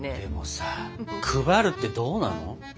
でもさ配るってどうなの？